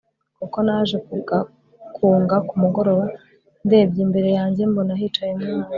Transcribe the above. kuko naje kugakunga kumugoroba ndebye imbere yanjye mbona hicaye umwana